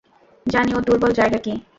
জানি ওর দুর্বল জায়গা কী।